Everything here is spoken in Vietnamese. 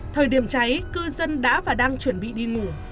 thời điểm cháy cư dân đã và đang chuẩn bị đi ngủ